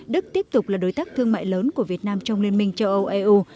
đức tiếp tục là đối tác thương mại lớn của việt nam trong liên minh châu âu eu